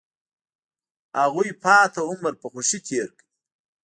هغوی پاتې عمر په خوښۍ تیر کړ.